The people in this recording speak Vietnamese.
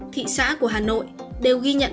thị xã của hà nội đều ghi nhận